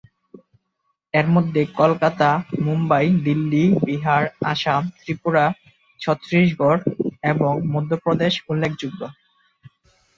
এরমধ্যে কলকাতা, মুম্বাই, দিল্লি, বিহার, আসাম, ত্রিপুরা, ছত্রিশগড় এবং মধ্য প্রদেশ উল্লেখযোগ্য।